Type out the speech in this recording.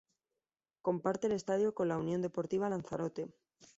Comparte el estadio con la Unión Deportiva Lanzarote.